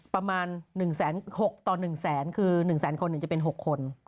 ประมาณ๑๖๐๐ต่อ๑แสนคือ๑แสนคนจะเป็น๖คน